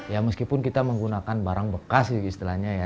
ya meskipun kita menggunakan barang bekas sih istilahnya ya